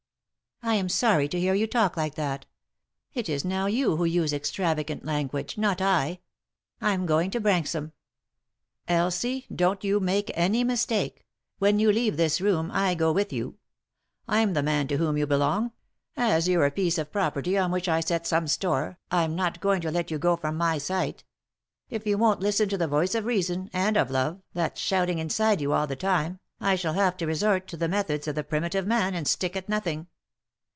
"I am sorry to hear you talk like that. It is now you who use extravagant language, not I. I'm going to Bran xh am." " Elsie, don't you make any mistake. When yon leave this room I go with you. I'm the man to whom you belong ; as you're a piece of property on which I set some store, I'm not going to let you go from my sight If you won't listen to the voice of reason, and of love, that's shouting inside you all the 310 3i 9 iii^d by Google THE INTERRUPTED KISS time, I shall have to resort to the methods of the primitive man, and stick at nothing.